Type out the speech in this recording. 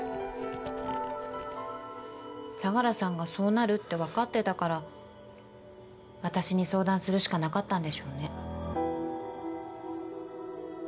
相良さんがそうなるって分かってたから私に相談するしかなかったんでしょうね。